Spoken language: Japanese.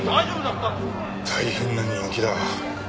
大変な人気だ。